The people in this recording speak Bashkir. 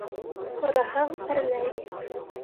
Һораһаң, әрләй.